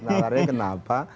sesat nalarnya kenapa